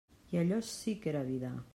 I allò sí que era vida.